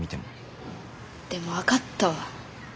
でも分かったわ。